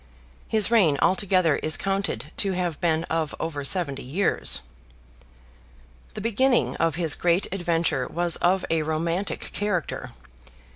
His reign altogether is counted to have been of over seventy years. The beginning of his great adventure was of a romantic character.